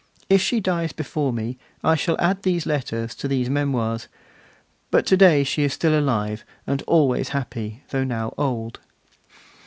If she dies before me, I shall add these letters to these Memoirs; but to day she is still alive, and always happy, though now old.